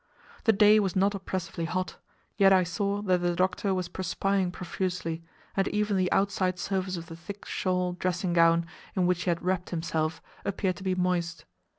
The day was not oppressively hot, yet I saw that the doctor was perspiring profusely, and even the outside surface of the thick shawl dressing gown, in which he had wrapped himself, appeared to be moist.